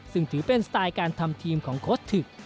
ซึ่งถือเป็นสไตล์การทำทีมของโค้ดถึก